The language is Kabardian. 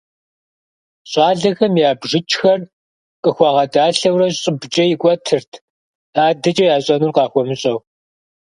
Щӏалэхэм я бжыкӀхэр къыхуагъэдалъэурэ щӀыбкӀэ икӀуэтырт, адэкӀэ ящӀэнур къахуэмыщӀэу.